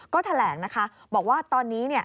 ก็แถลงนะคะบอกว่าตอนนี้